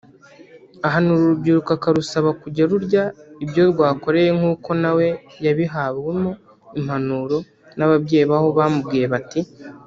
Ahanura urubyiruko akarusaba kujya rurya ibyo rwakoreye nk'uko nawe yabihahwemo impanuro n'ababyeyi be aho bamubwiye bati